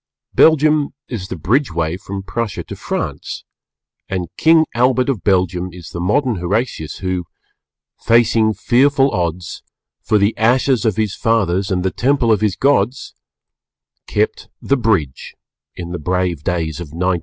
Belgium is the Bridgeway from Prussia to France, and King Albert of Belgium is the modern Horatius who "... facing fearful odds, For the ashes of his fathers And the temples of his Gods," kept "the bridge" in the brave days of 1914.